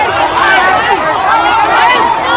สวัสดีครับ